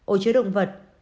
ổ chứa động vật